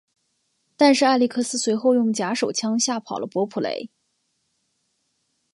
但是艾力克斯随后用假手枪吓跑了伯普雷。